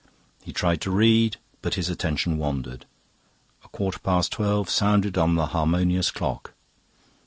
He tried to read, but his attention wandered. A quarter past twelve sounded on the harmonious clock.